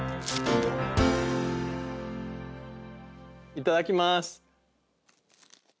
いただきます。